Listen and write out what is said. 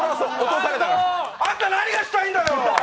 あんた、何がしたいんだよ！